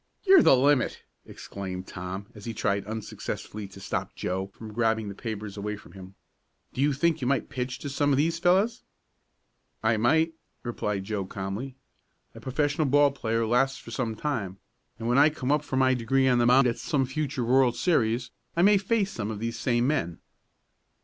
"You're the limit!" exclaimed Tom, as he tried unsuccessfully to stop Joe from grabbing the papers away from him. "Do you think you might pitch to some of these fellows?" "I might," replied Joe calmly. "A professional ball player lasts for some time, and when I come up for my degree on the mound at some future world series I may face some of these same men."